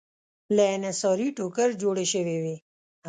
له انحصاري ټوکر جوړې شوې وې.